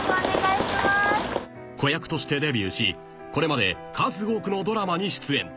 ［子役としてデビューしこれまで数多くのドラマに出演］